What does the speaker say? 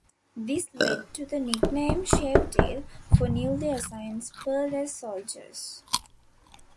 This led to the nickname "Shave Tail" for newly assigned, spur-less Soldiers.